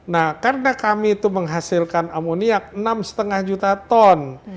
nah karena kami itu menghasilkan amoniak enam lima juta ton